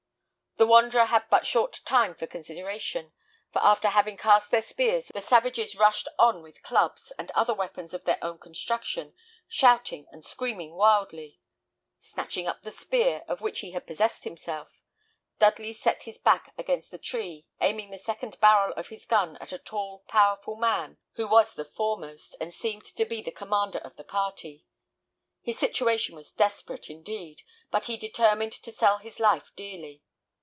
The wanderer had but short time for consideration; for after having cast their spears, the savages rushed on with clubs, and other weapons of their own construction, shouting and screaming wildly. Snatching up the spear, of which he had possessed himself, Dudley set his back against the tree, aiming the second barrel of his gun at a tall, powerful man, who was the foremost, and seemed to be the commander of the party. His situation was desperate, indeed, but he determined to sell his life dearly.